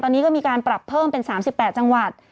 ตอนนี้ก็มีการปรับเพิ่มเป็น๓๘จังหวัด